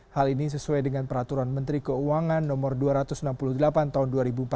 hal ini sesuai dengan peraturan menteri keuangan no dua ratus enam puluh delapan tahun dua ribu empat belas